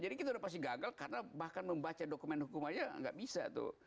jadi kita udah pasti gagal karena bahkan membaca dokumen hukum aja gak bisa tuh